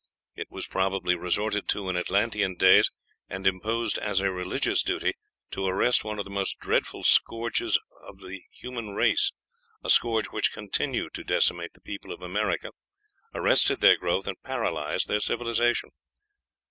It was probably resorted to in Atlantean days, and imposed as a religious duty, to arrest one of the most dreadful scourges of the human race a scourge which continued to decimate the people of America, arrested their growth, and paralyzed their civilization.